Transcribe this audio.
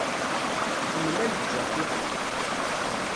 Temlal-d Jack iḍelli.